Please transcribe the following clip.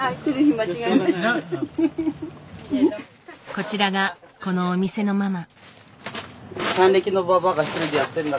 こちらがこのお店のママ。